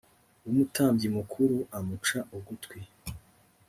w umutambyi mukuru amuca ugutwi